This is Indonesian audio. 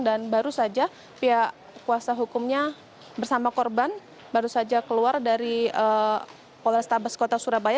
dan baru saja pihak kuasa hukumnya bersama korban baru saja keluar dari polar stabes kota surabaya